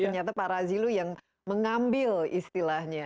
ternyata pak razilu yang mengambil istilahnya